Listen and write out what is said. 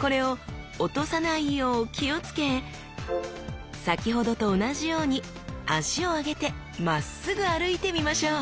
これを落とさないよう気を付け先ほどと同じように脚を上げてまっすぐ歩いてみましょう！